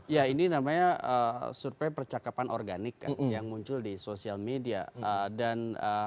ya ini namanya survei percakapan organik yang muncul di sosial media dan